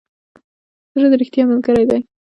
زړه د ریښتیا ملګری دی.